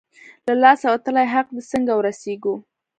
له لاسه وتلی حق دی، څنګه ورسېږو؟